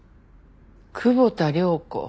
「久保田涼子」。